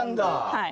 はい。